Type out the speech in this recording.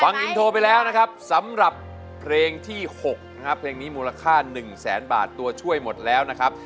ฟังอินโทรไปแล้วนะครับสำหรับเพลงที่๖นะครับเพลงนี้มูลค่า๑แสนบาทตัวช่วยหมดแล้วนะครับ